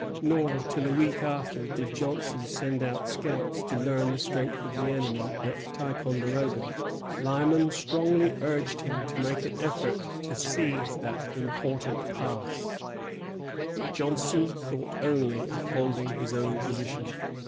Nor, till a week after, did Johnson send out scouts to learn the strength of the enemy at Ticonderoga. Lyman strongly urged him to make an effort to seize that important pass; but Johnson thought only of holding his own position.